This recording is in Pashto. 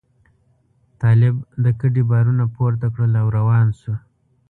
طالب د کډې بارونه پورته کړل او روان شو.